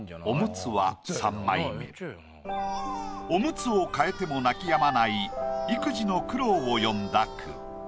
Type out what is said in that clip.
オムツを替えても泣きやまない育児の苦労を詠んだ句。